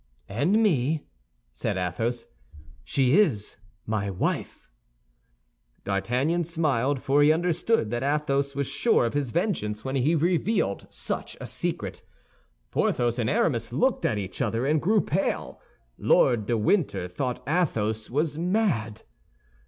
"And me," said Athos, "—she is my wife!" D'Artagnan smiled—for he understood that Athos was sure of his vengeance when he revealed such a secret. Porthos and Aramis looked at each other, and grew pale. Lord de Winter thought Athos was mad.